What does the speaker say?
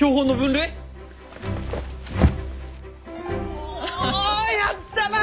おやったな！